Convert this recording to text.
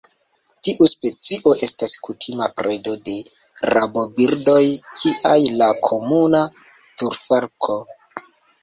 Tiu specio estas kutima predo de rabobirdoj kiaj la Komuna turfalko.